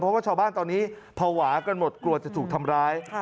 เพราะว่าชาวบ้านตอนนี้ภาวะกันหมดกลัวจะถูกทำร้าย